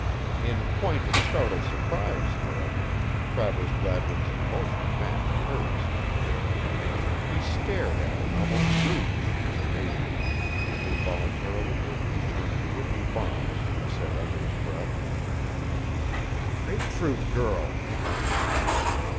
In point of startled surprise, however, Travers Gladwin's emotion matched hers. He stared at her almost rudely in his amazement and involuntarily he turned to Whitney Barnes and said under his breath: "The grapefruit girl!"